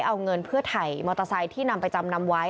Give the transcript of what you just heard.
เอาเงินเพื่อถ่ายมอเตอร์ไซค์ที่นำไปจำนำไว้